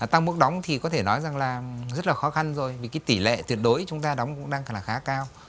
tăng mức đóng thì có thể nói rằng là rất là khó khăn rồi vì cái tỷ lệ tuyệt đối chúng ta cũng đang là khá cao